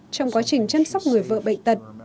trong quá trình chăm sóc người vợ bệnh tật